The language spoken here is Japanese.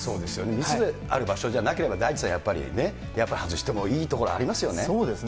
密である場所でなければ、大地さん、やっぱり外してもいい所ありそうですよね。